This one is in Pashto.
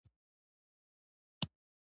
زه به د پلخمري عمومي څلور لارې ته ځم.